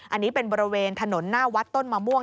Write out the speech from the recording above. อันนี้เป็นบริเวณถนนหน้าวัดต้นมะม่วง